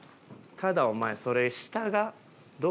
ただお前それ下がどう？